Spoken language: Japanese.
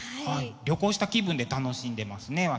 旅行した気分で楽しんでますね